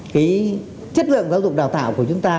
cái chất lượng giáo dục đào tạo của chúng ta